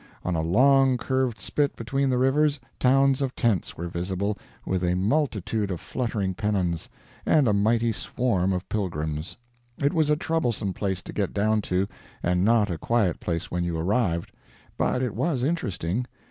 On a long curved spit between the rivers, towns of tents were visible, with a multitude of fluttering pennons, and a mighty swarm of pilgrims. It was a troublesome place to get down to, and not a quiet place when you arrived; but it was interesting.